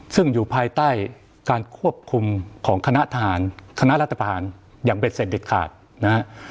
ซึ่งอยู่ภายใต้การควบคุมของคณะทหารคณะรัฐบาลอย่างเด็ดเสร็จเด็ดขาดนะฮะ